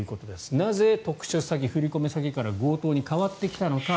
なぜ、特殊詐欺振り込め詐欺から強盗に変わってきたのか。